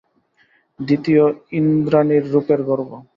দ্বিতীয়, ইন্দ্রাণীর রূপের গর্ব।